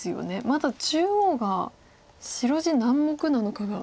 まだ中央が白地何目なのかが。